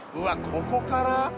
ここから？